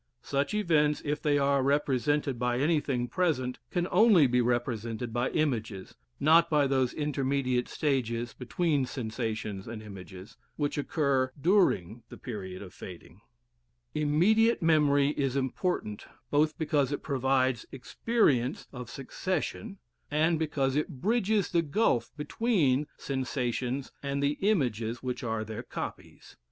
Such events, if they are represented by anything present, can only be represented by images, not by those intermediate stages, between sensations and images, which occur during the period of fading. * See Semon, "Die mnemischen Empfindungen," chap. vi. Immediate memory is important both because it provides experience of succession, and because it bridges the gulf between sensations and the images which are their copies.